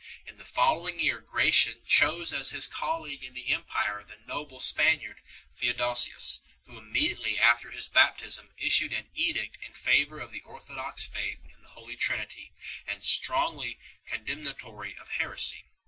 In the follow ing year Gratian chose as his colleague in the empire the noble Spaniard Theodosius, who immediately after his baptism issued an edict 4 in favour of the orthodox faith in the Holy Trinity, and strongly condemnatory of heresy.